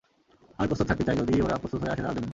আমি প্রস্তুত থাকতে চাই, যদি ওরা প্রস্তুত হয়ে আসে তার জন্য।